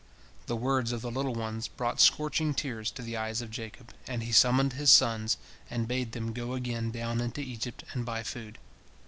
The words of the little ones brought scorching tears to the eyes of Jacob, and he summoned his sons and bade them go again down into Egypt and buy food.